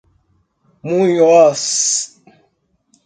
Munhoz